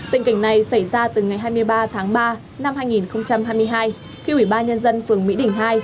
tình cảnh này xảy ra từ ngày hai mươi ba tháng ba năm hai nghìn hai mươi hai khi ủy ban nhân dân phường mỹ đình hai